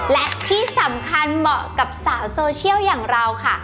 และที่สำคัญเหมาะกับสาวโซเชียลอย่างเราค่ะ